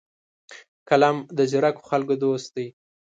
قلم د ځیرکو خلکو دوست دی